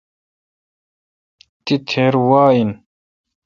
تی تھیر وا این۔